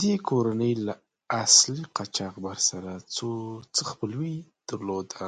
دې کورنۍ له اصلي قاچاقبر سره څه خپلوي درلوده.